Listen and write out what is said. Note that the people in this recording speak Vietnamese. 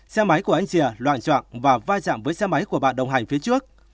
xe máy của anh chìa loạn trọng và vai dạng với xe máy của bạn đồng hành phía trước